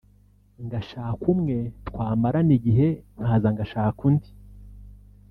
ngashaka umwe twamarana igihe nkaza ngashaka undi